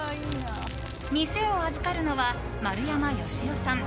店を預かるのは丸山嘉桜さん。